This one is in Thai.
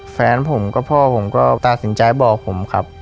แฟนผมกับพ่อผมก็ตัดสินใจบอกผมครับ